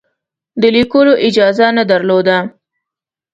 د لیکلو اجازه نه درلوده.